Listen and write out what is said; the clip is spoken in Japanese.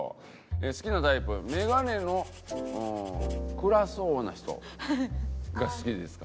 「好きなタイプメガネの暗そうな人」が好きですか？